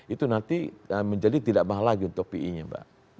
itu nanti menjadi tidak mahal lagi untuk pi nya mbak